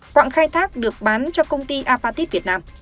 quảng khai thác được bán cho công ty apatit việt nam